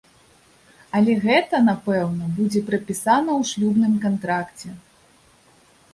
Але гэта, напэўна, будзе прапісана ў шлюбным кантракце.